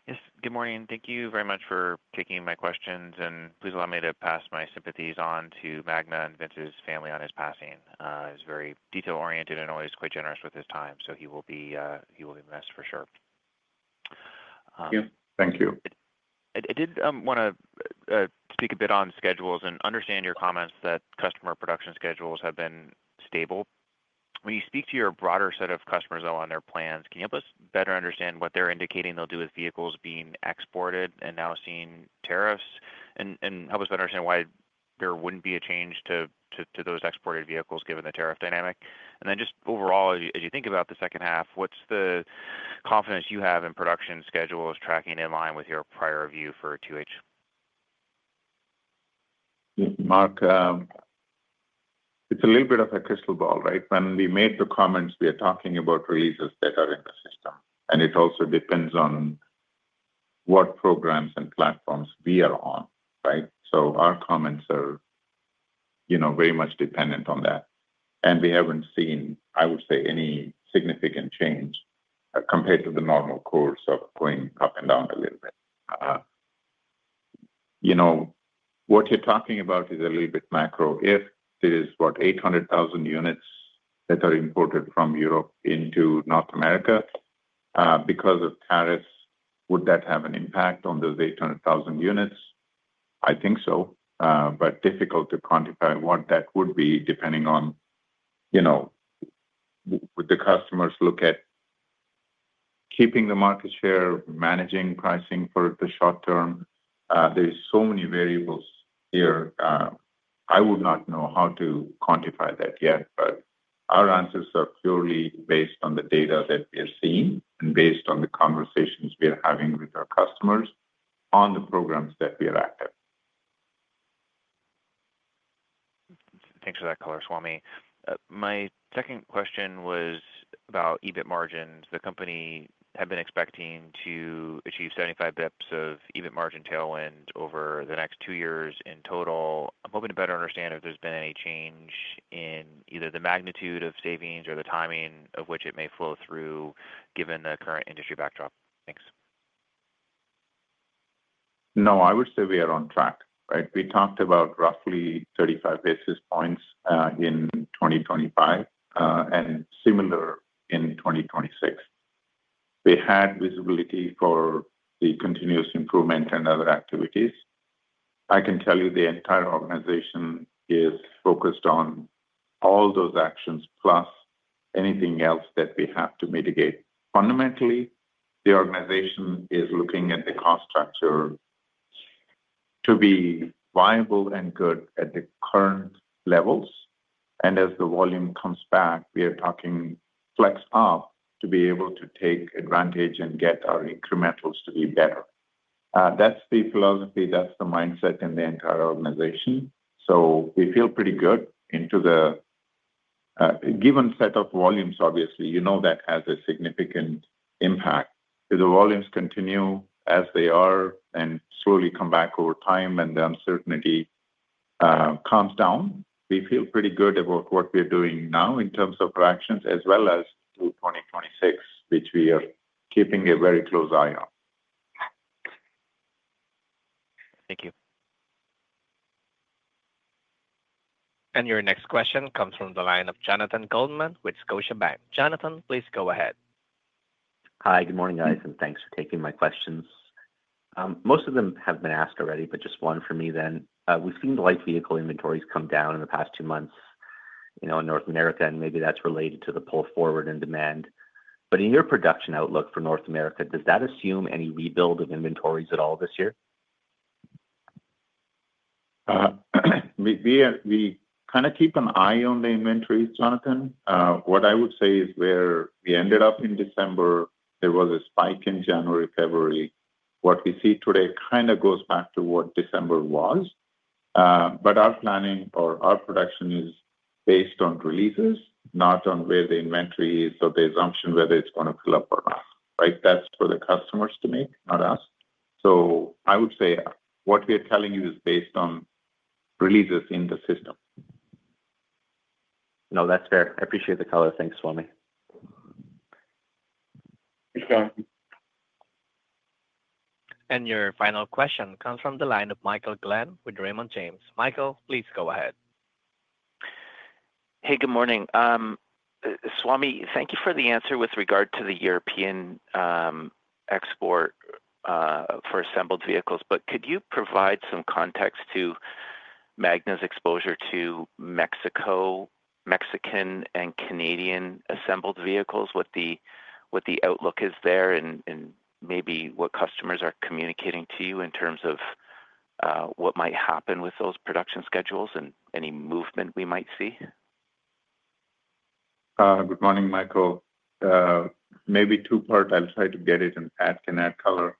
Yes. Good morning. Thank you very much for taking my questions. Please allow me to pass my sympathies on to Magna and Vince's family on his passing. He was very detail-oriented and always quite generous with his time. He will be blessed for sure. Thank you. I did want to speak a bit on schedules and understand your comments that customer production schedules have been stable. When you speak to your broader set of customers though on their plans, can you help us better understand what they're indicating they'll do with vehicles being exported and now seeing tariffs? Help us better understand why there wouldn't be a change to those exported vehicles given the tariff dynamic. Just overall, as you think about the second half, what's the confidence you have in production schedules tracking in line with your prior view for 2H? Mark, it's a little bit of a crystal ball, right? When we made the comments, we are talking about releases that are in the system. It also depends on what programs and platforms we are on, right? Our comments are very much dependent on that. We haven't seen, I would say, any significant change compared to the normal course of going up and down a little bit. What you're talking about is a little bit macro. If there is, what, 800,000 units that are imported from Europe into North America, because of tariffs, would that have an impact on those 800,000 units? I think so, but difficult to quantify what that would be depending on would the customers look at keeping the market share, managing pricing for the short term? There are so many variables here. I would not know how to quantify that yet, but our answers are purely based on the data that we are seeing and based on the conversations we are having with our customers on the programs that we are active. Thanks for that, Swamy. My second question was about EBIT margins. The company had been expecting to achieve 75 basis points of EBIT margin tailwind over the next two years in total. I'm hoping to better understand if there's been any change in either the magnitude of savings or the timing of which it may flow through given the current industry backdrop. Thanks. No, I would say we are on track, right? We talked about roughly 35 basis points in 2025 and similar in 2026. We had visibility for the continuous improvement and other activities. I can tell you the entire organization is focused on all those actions plus anything else that we have to mitigate. Fundamentally, the organization is looking at the cost structure to be viable and good at the current levels. As the volume comes back, we are talking flex up to be able to take advantage and get our incrementals to be better. That is the philosophy. That is the mindset in the entire organization. We feel pretty good into the given set of volumes, obviously. You know that has a significant impact. If the volumes continue as they are and slowly come back over time and the uncertainty calms down, we feel pretty good about what we are doing now in terms of our actions as well as through 2026, which we are keeping a very close eye on. Thank you. Your next question comes from the line of Jonathan Goldman with Scotiabank. Jonathan, please go ahead. Hi, good morning, guys. Thanks for taking my questions. Most of them have been asked already, just one for me then. We've seen the light vehicle inventories come down in the past two months in North America, and maybe that's related to the pull forward in demand. In your production outlook for North America, does that assume any rebuild of inventories at all this year? We kind of keep an eye on the inventories, Jonathan. What I would say is where we ended up in December, there was a spike in January, February. What we see today kind of goes back to what December was. Our planning or our production is based on releases, not on where the inventory is or the assumption whether it is going to fill up or not, right? That is for the customers to make, not us. I would say what we are telling you is based on releases in the system. No, that's fair. I appreciate the color. Thanks, Swamy. Your final question comes from the line of Michael Glen with Raymond James. Michael, please go ahead. Hey, good morning. Swamy, thank you for the answer with regard to the European export for assembled vehicles. Could you provide some context to Magna's exposure to Mexican and Canadian assembled vehicles? What the outlook is there and maybe what customers are communicating to you in terms of what might happen with those production schedules and any movement we might see? Good morning, Michael. Maybe two-part, I'll try to get it and add color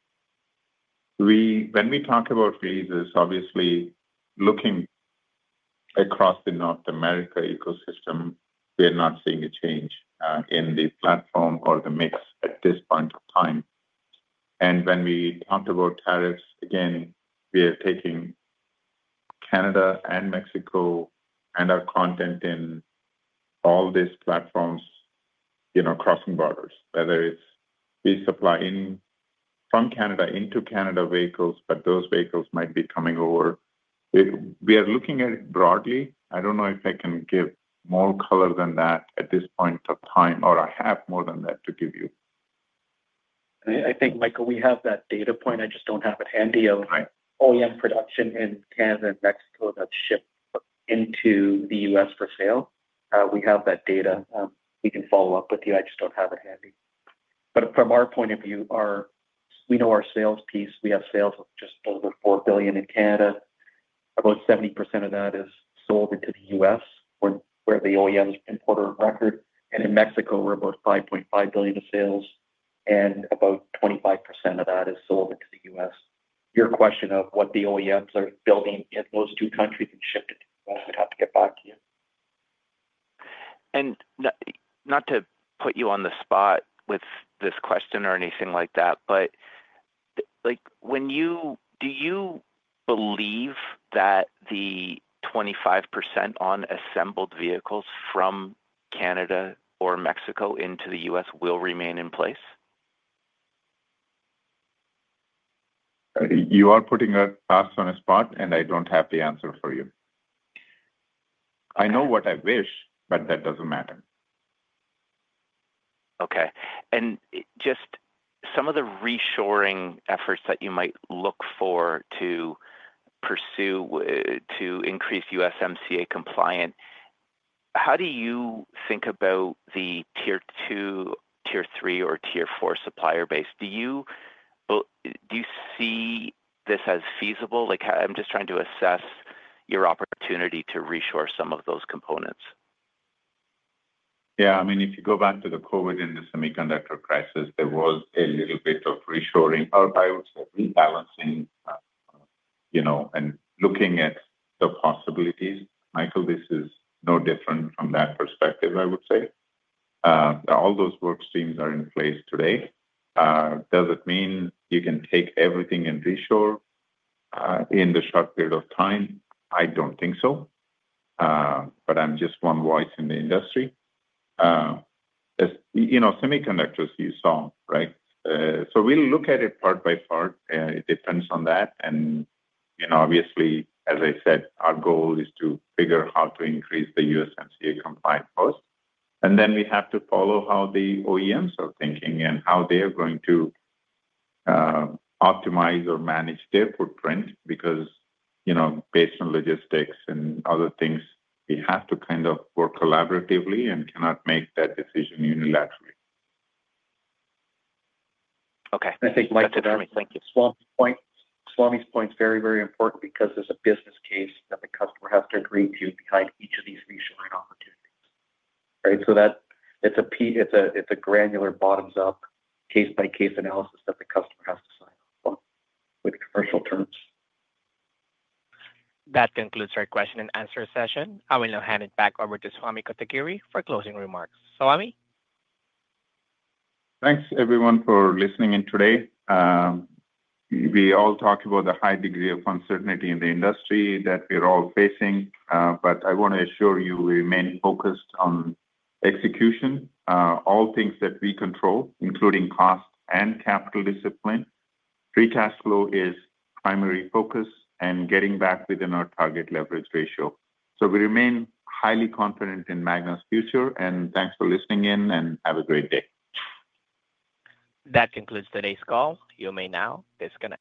when we talk about releases. Obviously, looking across the North America ecosystem, we are not seeing a change in the platform or the mix at this point of time. When we talked about tariffs, again, we are taking Canada and Mexico and our content in all these platforms crossing borders, whether it's we supply from Canada into Canada vehicles, but those vehicles might be coming over. We are looking at it broadly. I don't know if I can give more color than that at this point of time, or I have more than that to give you. I think, Michael, we have that data point. I just do not have it handy of OEM production in Canada and Mexico that is shipped into the U.S. for sale. We have that data. We can follow up with you. I just do not have it handy. From our point of view, we know our sales piece. We have sales of just over 4 billion in Canada. About 70% of that is sold into the U.S., where the OEMs import a record. In Mexico, we are about 5.5 billion in sales, and about 25% of that is sold into the U.S. Your question of what the OEMs are building in those two countries and shipped into the U.S., we would have to get back to you. Not to put you on the spot with this question or anything like that, but do you believe that the 25% on assembled vehicles from Canada or Mexico into the U.S. will remain in place? You are putting us on a spot, and I don't have the answer for you. I know what I wish, but that doesn't matter. Okay. Just some of the reshoring efforts that you might look for to pursue to increase USMCA compliant, how do you think about the Tier 2, Tier 3, or Tier 4 supplier base? Do you see this as feasible? I'm just trying to assess your opportunity to resource some of those components. Yeah. I mean, if you go back to the COVID and the semiconductor crisis, there was a little bit of reshoring, or I would say rebalancing and looking at the possibilities. Michael, this is no different from that perspective, I would say. All those workstreams are in place today. Does it mean you can take everything and reshore in the short period of time? I do not think so, but I am just one voice in the industry. Semiconductors, you saw, right? We will look at it part by part. It depends on that. Obviously, as I said, our goal is to figure how to increase the USMCA compliant cost. We have to follow how the OEMs are thinking and how they are going to optimize or manage their footprint because based on logistics and other things, we have to kind of work collaboratively and cannot make that decision unilaterally. Okay. Thank you. Thank you. Swamy's point is very, very important because there's a business case that the customer has to agree to behind each of these reshoring opportunities, right? It is a granular bottom-up case-by-case analysis that the customer has to sign off on with commercial terms. That concludes our question and answer session. I will now hand it back over to Swamy Kotagiri for closing remarks. Swamy? Thanks, everyone, for listening in today. We all talk about the high degree of uncertainty in the industry that we are all facing. I want to assure you we remain focused on execution, all things that we control, including cost and capital discipline. Free cash flow is primary focus and getting back within our target leverage ratio. We remain highly confident in Magna's future. Thanks for listening in and have a great day. That concludes today's call. You may now disconnect.